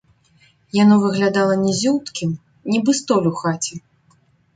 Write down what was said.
Яно выглядала нізюткім, нібы столь у хаце.